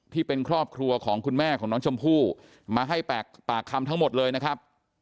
ที่เป็นครอบครัวของคุณแม่ของน้องชมพู่มาให้ปากคำทั้งหมดเลยนะครับ